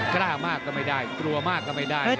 กล้ามากก็ไม่ได้กลัวมากก็ไม่ได้